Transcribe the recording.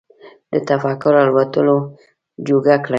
د تفکر الوتلو جوګه کړي